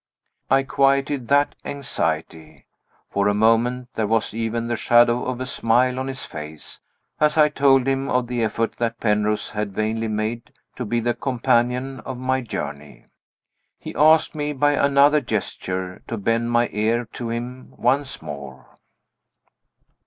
I quieted that anxiety. For a moment there was even the shadow of a smile on his face, as I told him of the effort that Penrose had vainly made to be the companion of my journey. He asked me, by another gesture, to bend my ear to him once more.